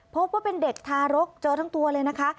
พบว่าเป็นเด็กทารกเจอทั้งตัวเลยนะคะ